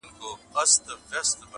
تا منلی راته جام وي د سرو لبو،